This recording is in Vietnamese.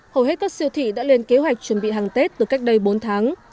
hầu hết các siêu thị đã lên kế hoạch chuẩn bị hàng tết từ cách đây bốn tháng